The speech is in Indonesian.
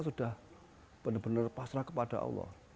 sudah benar benar pasrah kepada allah